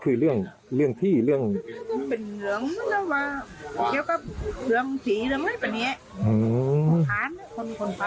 เคยมีมางานรอบนี้แต่ก็มีแล้วเขาก็เหมือนไงกันนะ